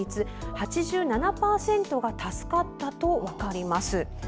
８７％が助かったと分かります。